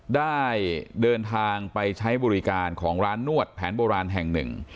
ได้เดินทางไปใช้บริการของร้านนวดแผนโบราณแห่งหนึ่ง